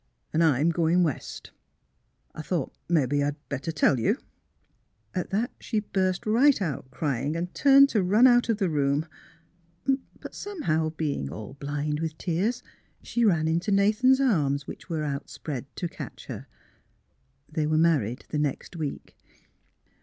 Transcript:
'' An' I'm goin' West. I thought mebbe I'd better tell you." At that she burst right out crying, and turned to THE CLOSED DOOR 49 run out of the room. But somehow, being all blind with tears, she ran into Nathan's arms which were outspread to catch her. They were married the next week.